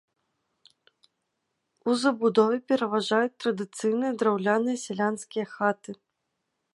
У забудове пераважаюць традыцыйныя драўляныя сялянскія хаты.